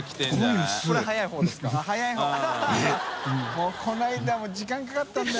發この間も時間かかったんだよ